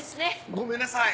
ごめんなさい。